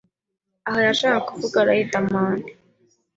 aha yashakaga kuvuga Riderman